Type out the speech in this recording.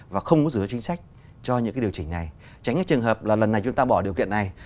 và không có rủi ro chính sách cho những điều chỉnh này tránh cái trường hợp là lần này chúng ta bỏ điều kiện này